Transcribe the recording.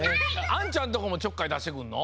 あんちゃんとこもちょっかいだしてくんの？